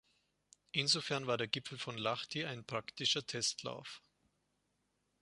Insofern war der Gipfel von Lahti ein praktischer Testlauf.